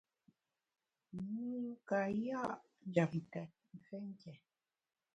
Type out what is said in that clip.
Mû ka ya’ njem tèt mfé nké.